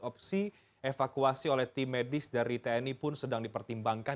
opsi evakuasi oleh tim medis dari tni pun sedang dipertimbangkan